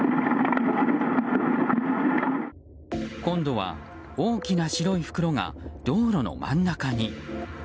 今度は大きな白い袋が道路の真ん中に。